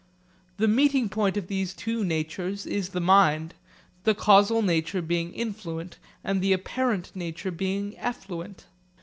The meeting point of these two natures is the mind, the causal nature being influent and the apparent nature being effluent.